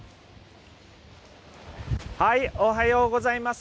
おはようございます。